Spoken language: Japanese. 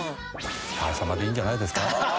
「たー様でいいんじゃないですか」